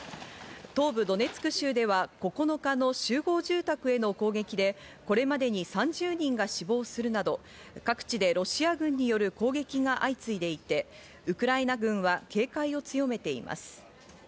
東部ドネツク州では９日の集合住宅への攻撃でこれまでに３０人が死亡するなど、各地でロシア軍による攻撃が相次いでいて、ウクライナ軍は警戒を強めています。